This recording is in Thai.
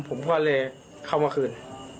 ผมก็เลยเข้ามาคืน